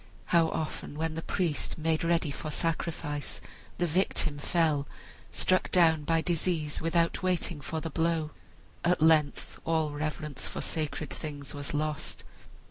How often, while the priest made ready for sacrifice, the victim fell, struck down by disease without waiting for the blow! At length all reverence for sacred things was lost.